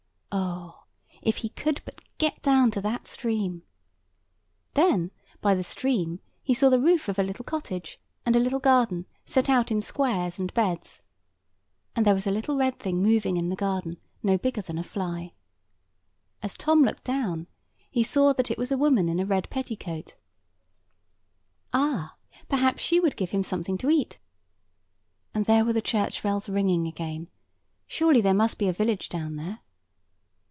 Oh, if he could but get down to that stream! Then, by the stream, he saw the roof of a little cottage, and a little garden set out in squares and beds. And there was a tiny little red thing moving in the garden, no bigger than a fly. As Tom looked down, he saw that it was a woman in a red petticoat. Ah! perhaps she would give him something to eat. And there were the church bells ringing again. Surely there must be a village down there.